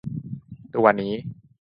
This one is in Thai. ตัวนี้